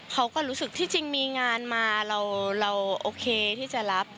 เขาก็รู้สึกที่จริงมีงานมาเราโอเคที่จะรับ